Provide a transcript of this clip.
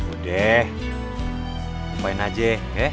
udah deh upain aja